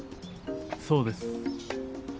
そうです。